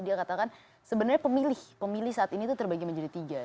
dia katakan sebenarnya pemilih pemilih saat ini itu terbagi menjadi tiga